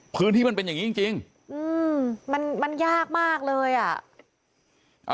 พื้นที่มันเป็นอย่างนี้จริงมันยากมากเลยอ่ะ